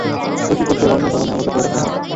প্রশিক্ষকদের অন্য ভবনে আলাদা করে রাখা হয়।